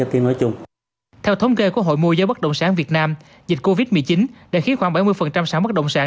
theo thống kê của hội mô giới bất động sản việt nam dịch covid một mươi chín đã khiến khoảng bảy mươi sản bất động sản